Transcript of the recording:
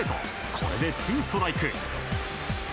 これでツーストライク。